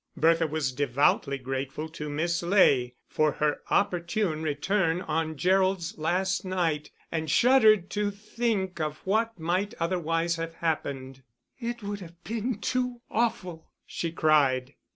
Bertha was devoutly grateful to Miss Ley for her opportune return on Gerald's last night, and shuddered to think of what might otherwise have happened. "It would have been too awful," she cried.